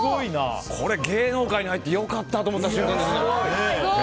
これ芸能界に入ってよかったって思った瞬間です。